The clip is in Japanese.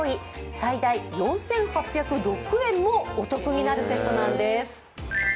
最大４８０６円もお得になるセットなんです。